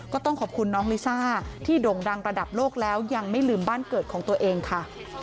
ก็ต้องขอบคุณน้องลิซ่าที่ด่งดังระดับโลกแล้วยังไม่ลืมบ้านเกิดของตัวเองค่ะ